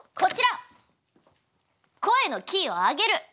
声のキーをあげる。